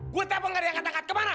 gue tiap gad harrison kasih shaina